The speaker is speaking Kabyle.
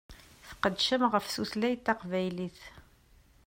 Tqeddcem ɣef tutlayt taqbaylit.